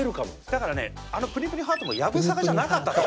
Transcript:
だからねあのぷにぷにハートもやぶさかじゃなかったと思う。